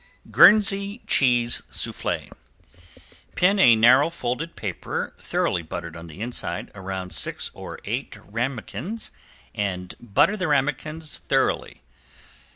~GUERNSEY CHEESE SOUFFLE~ Pin a narrow folded paper thoroughly buttered on the inside, around six or eight ramequins and butter the ramequins thoroughly.